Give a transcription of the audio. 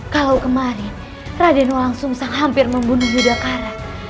kalau kemarin raden wolang sungsang hampir membunuh yudhakara